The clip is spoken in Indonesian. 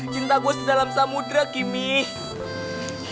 cinta gue sedalam samudera kimmy